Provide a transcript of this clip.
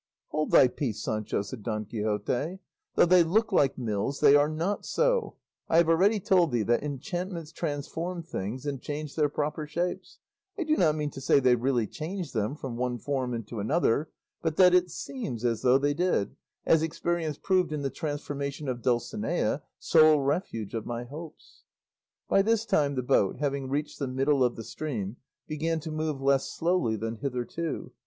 "Hold thy peace, Sancho," said Don Quixote; "though they look like mills they are not so; I have already told thee that enchantments transform things and change their proper shapes; I do not mean to say they really change them from one form into another, but that it seems as though they did, as experience proved in the transformation of Dulcinea, sole refuge of my hopes." By this time, the boat, having reached the middle of the stream, began to move less slowly than hitherto.